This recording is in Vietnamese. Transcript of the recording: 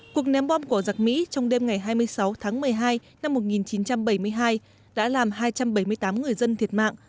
cuộc ném bom của giặc mỹ trong đêm ngày hai mươi sáu tháng một mươi hai năm một nghìn chín trăm bảy mươi hai đã làm hai trăm bảy mươi tám người dân thiệt mạng